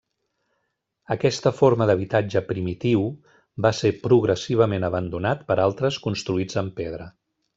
Aquesta forma d'habitatge primitiu va ser progressivament abandonat per altres construïts en pedra.